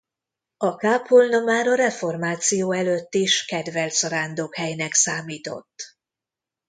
A kápolna már a reformáció előtt is kedvelt zarándokhelynek számított.